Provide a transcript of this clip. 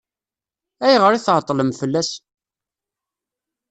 Ayɣer i tɛeṭṭlem fell-as?